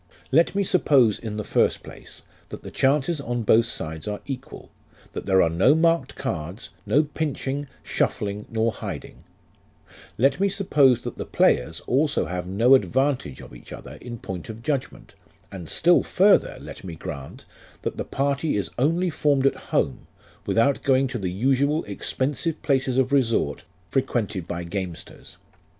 " Let me suppose, in the first place, that the chances on both sides are equal, that there are no marked cards, no pinching, shuffling, nor hiding ; let me suppose that the players also have no advantage of each other in point of judgment, and still further let me grant, that the party is only formed at home, without going to the usual, expensive places of resort frequented by gamesters.